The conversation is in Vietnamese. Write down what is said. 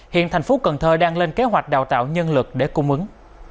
hiện thành phố cần thơ đang lên kế hoạch đào tạo nhân lực để cung ứng